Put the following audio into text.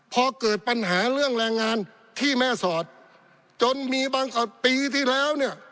พอเกิดปัญหาเรื่องแรงงานที่แม่สอดจนมีบางปีที่แล้วเนี่ย